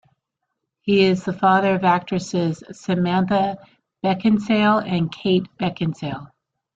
He is the father of actresses Samantha Beckinsale and Kate Beckinsale.